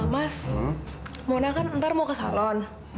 mas muna kan ntar mau ke salon